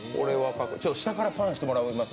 下からターンしてもらいます？